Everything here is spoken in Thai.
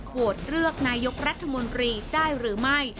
โหวตเลือกนายกรัฐมนตรีได้หรือไม่